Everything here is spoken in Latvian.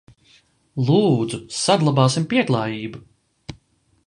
Lūdzu, saglabāsim pieklājību!